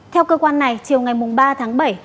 theo cơ quan này chiều ngày ba tháng ba